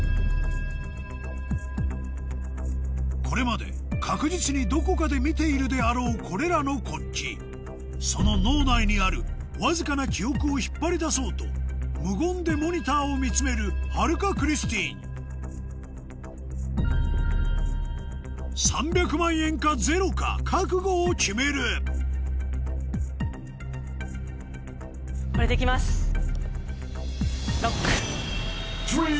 これまで確実にどこかで見ているであろうこれらの国旗その脳内にあるわずかな記憶を引っ張り出そうと無言でモニターを見つめる春香クリスティーン３００万円かゼロか覚悟を決めるＬＯＣＫ。